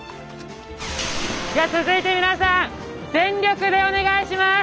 じゃあ続いて皆さん全力でお願いします！